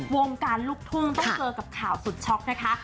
วงการลูกทุ่งต้องเจอกับข่าวสุดช็อกนะคะ